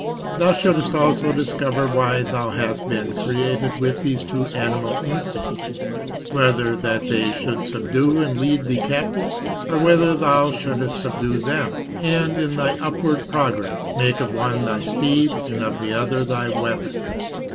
Thou shouldest also discover why thou hast been created with these two animal instincts: whether that they should subdue and lead thee captive, or whether that thou shouldest subdue them, and, in thy upward progress, make of one thy steed and of the other thy weapon.